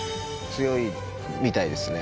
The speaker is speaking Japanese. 強いみたいですね。